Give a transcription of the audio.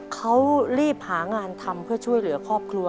เขารีบหางานทำเพื่อช่วยเหลือครอบครัว